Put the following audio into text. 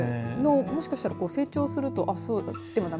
もしかしたら成長すると。